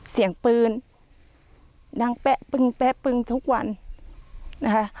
เสี่ยงปืนนั่งแป๊ะปึ้งทุกวันนะคะ